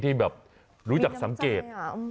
ที่แบบรู้จักสังเกต